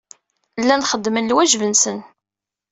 Llan xeddmen lwaǧeb-nsen.